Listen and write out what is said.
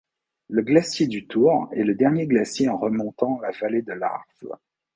Le glacier du Tour est le dernier glacier en remontant la vallée de l'Arve.